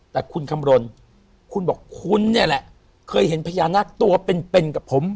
แต่คุณคำรณคุณบอกคุณเนี่ยแหละเคยเห็นพญานาคตัวเป็นเป็นกับผม